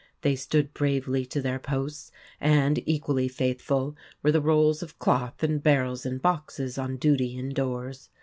They stood bravely to their posts, and equally faithful were the rolls of cloth and barrels and boxes on duty indoors.